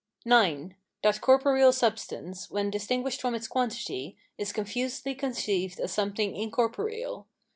IX. That corporeal substance, when distinguished from its quantity, is confusedly conceived as something incorporeal.